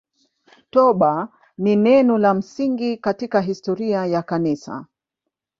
Toba ni neno la msingi katika historia ya Kanisa.